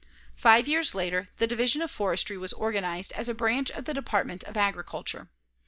Five years later, the Division of Forestry was organized as a branch of the Department of Agriculture.